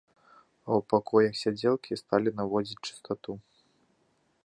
А ў пакоях сядзелкі сталі наводзіць чыстату.